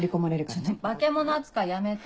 ちょっと化け物扱いやめて。